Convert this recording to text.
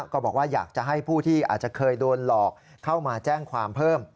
ก็บอกว่าอยากจะให้ผู้ที่อาจจะเคยโดนหลอกเข้ามาแจ้งความเพิ่ม